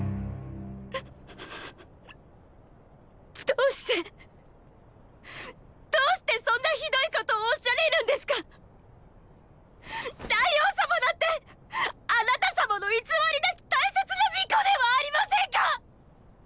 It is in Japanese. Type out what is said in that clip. どうしてどうしてそんなひどいことをおっしゃれるんですか⁉大王様だってあなた様の偽りなき大切な御子ではありませんか！！